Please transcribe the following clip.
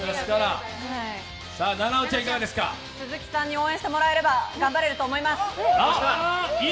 鈴木さんに応援してもらえれば頑張れると思います。